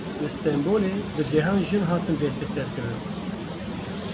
Li Stenbolê bi dehan jin hatin desteserkirin.